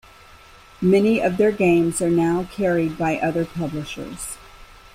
Many of their games are now carried by other publishers.